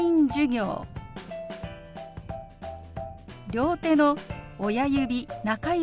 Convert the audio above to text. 両手の親指中指